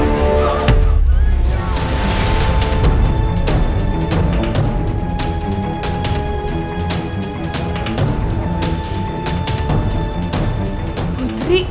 dewa temen aku